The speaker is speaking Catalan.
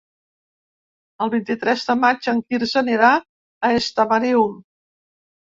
El vint-i-tres de maig en Quirze anirà a Estamariu.